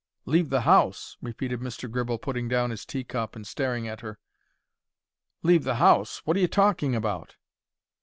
"Leave the house!" repeated Mr. Gribble, putting down his tea cup and staring at her. "Leave the house! What are you talking about?"